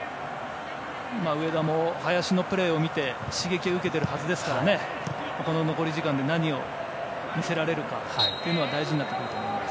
上田も林のプレーを見て刺激を受けているはずですから残り時間で何を見せられるかが大事になってくると思います。